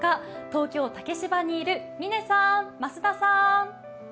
東京・竹芝にいる嶺さん、増田さん。